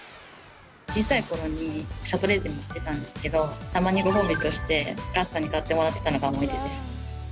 小さい頃にシャトレーゼに行ってたんですけどたまにご褒美としてお母さんに買ってもらってたのが思い出です。